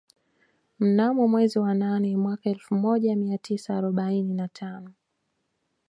Mnamo mwezi wa nane mwaka elfu moja mia tisa arobaini na tano